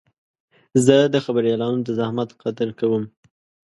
زه د خبریالانو د زحمت قدر کوم.